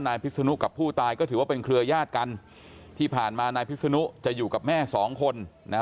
พิษนุกับผู้ตายก็ถือว่าเป็นเครือญาติกันที่ผ่านมานายพิศนุจะอยู่กับแม่สองคนนะ